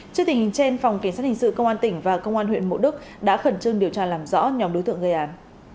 trước tình hình trên phòng kỳ sát hình sự công an tỉnh và công an huyện mộ đức đã khẩn trương điều tra làm rõ nhóm đối tượng gây án